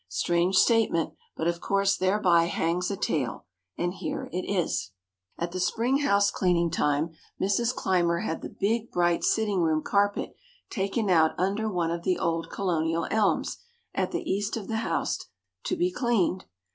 Strange statement, but of course thereby hangs a tale, and here it is. At the spring house cleaning time, Mrs. Clymer had the big, bright sitting room carpet taken out under one of the old colonial elms, at the east of the house, to be cleaned.